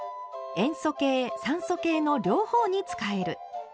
「塩素系酸素系の両方に使える」。